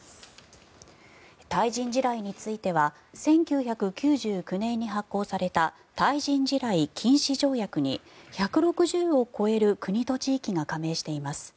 対人地雷については１９９９年に発効された対人地雷禁止条約に１６０を超える国と地域が加盟しています。